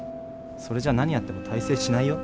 それじゃ何やっても大成しないよ。